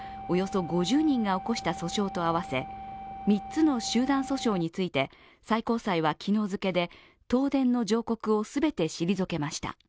およそ５０人が起こした訴訟と合わせ、３つの集団訴訟について最高裁は昨日付けで東電の上告を全て退けました。